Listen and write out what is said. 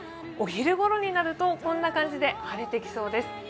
お昼ごろになるとこんな感じで晴れてきそうです。